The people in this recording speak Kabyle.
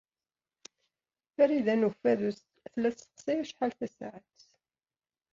Farida n Ukeffadu tella tesseqsay acḥal tasaɛet.